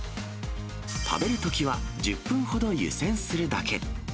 食べるときは１０分ほど湯せんするだけ。